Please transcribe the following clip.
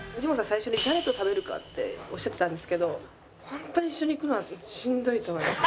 最初に誰と食べるかっておっしゃってたんですけどホントに一緒に行くのはしんどいと思います。